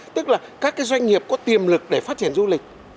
tức là các cái doanh nghiệp có tiềm lực để phát triển du lịch